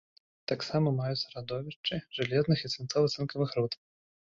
Таксама маюцца радовішчы жалезных і свінцова-цынкавых руд.